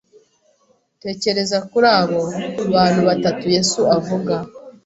tekereza kuri abo bantu batatu Yesu avuga